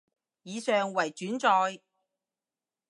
以上為轉載